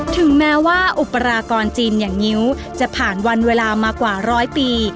ถึงแม้ว่าอุปรากรจีนอย่างงิ้วจะผ่านวันเวลามากว่าร้อยปี